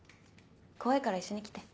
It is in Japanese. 怖いから一緒に来て。